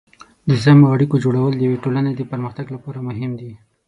د سمو اړیکو جوړول د یوې ټولنې د پرمختګ لپاره مهم دي.